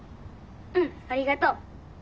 うんありがとう。